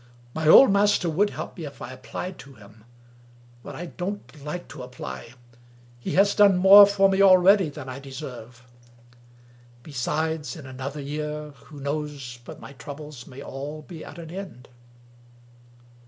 My old mas ter would help me if I applied to him — ^but I don't like to apply : he has done more for me already than I deserve. Besides, in another year who knows but my troubles may all be at an end?